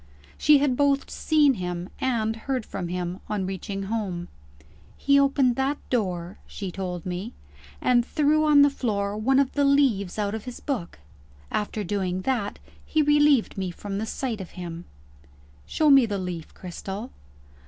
She had both seen him and heard from him, on reaching home. "He opened that door," she told me, "and threw on the floor one of the leaves out of his book. After doing that, he relieved me from the sight of him." "Show me the leaf, Cristel."